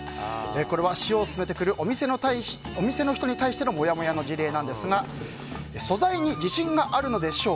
これは塩を勧めてくるお店の人に対してのモヤモヤの事例なんですが素材に自信があるのでしょう。